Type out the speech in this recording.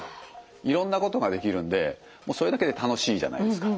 いろんなことができるんでもうそれだけで楽しいじゃないですか。